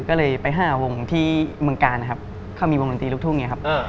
ก็เลยไปห้าวงที่เมืองกาลนะครับเขามีวงดนตรีลูกทุ่งอย่างนี้ครับ